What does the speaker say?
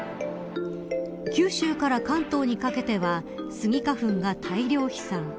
九州から関東にかけてはスギ花粉が大量飛散。